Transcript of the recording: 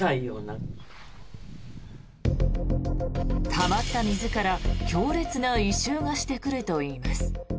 たまった水から強烈な異臭がしてくるといいます。